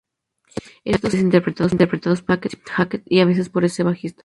Estos eran a veces interpretados por Steve Hackett y a veces por este bajista.